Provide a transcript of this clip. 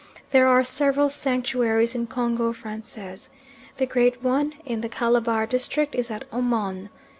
There are several sanctuaries in Congo Francais. The great one in the Calabar district is at Omon.